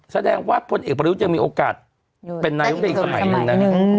แสดงว่าพลเอกประยุทธ์ยังมีโอกาสเป็นนายกได้อีกสมัยหนึ่งนะ